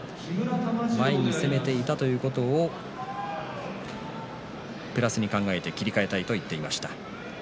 前に攻めていったということをプラスに考えて切り替えたいと言っていました。